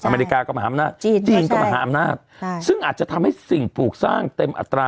อเมริกาก็มหาอำนาจจีนก็มหาอำนาจซึ่งอาจจะทำให้สิ่งปลูกสร้างเต็มอัตรา